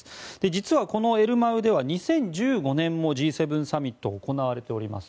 実はこのエルマウでは２０１５年もＧ７サミットが行われております。